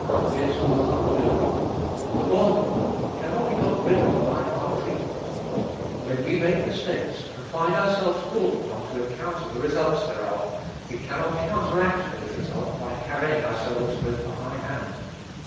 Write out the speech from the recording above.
This will not do. "The bond woman" cannot be got rid of by hard treatment. When we make mistakes, and find ourselves called upon to encounter the results thereof, we cannot counteract those results by carrying ourselves with a high hand.